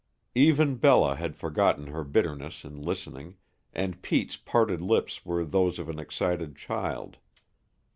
Even Bella had forgotten her bitterness in listening, and Pete's parted lips were those of an excited child.